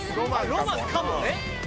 ロマンかもね。